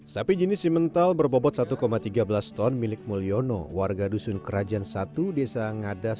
sapi jenis simental berbobot satu tiga belas ton milik mulyono warga dusun kerajaan satu desa ngadas